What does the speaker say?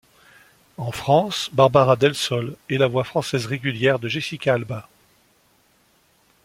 En France, Barbara Delsol est la voix française régulière de Jessica Alba.